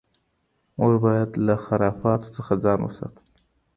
موږ باید له خرافاتو څخه ځان وساتو.